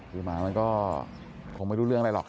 คือหมามันก็คงไม่รู้เรื่องอะไรหรอก